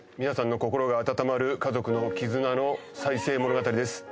皆さんの心が温まる家族の絆の再生物語です。